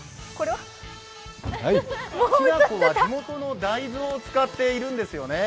きな粉は地元の大豆を使ってるんですよね。